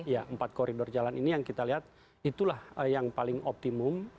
ya empat koridor jalan ini yang kita lihat itulah yang paling optimum